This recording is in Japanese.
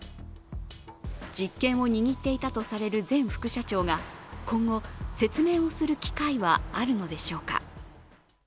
実権を握っていたとされる前副社長が今後、説明をする機会はあるのでしょうか。